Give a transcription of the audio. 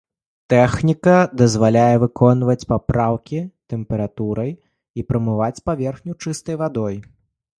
Тэхніка дазваляе выконваць папраўкі тэмперай і прамываць паверхню чыстай вадой.